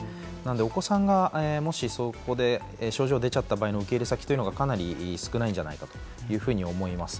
お子さんがもしそこで症状が出ちゃった場合の受け入れ先はかなり少ないんじゃないかと思います。